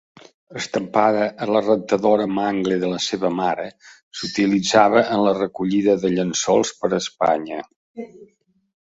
Estampada a la rentadora mangle de la seva mare, s'utilitzava en la recollida de llençols per a Espanya.